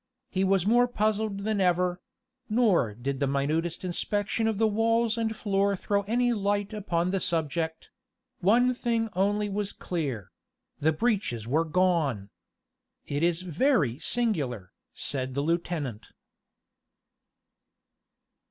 He was more puzzled than ever; nor did the minutest inspection of the walls and floor throw any light upon the subject: one thing only was clear the breeches were gone! "It is very singular," said the lieutenant.